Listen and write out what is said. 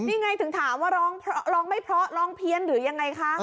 นี่ไงถึงถามว่าร้องไม่เพราะร้องเพี้ยนหรือยังไงคะ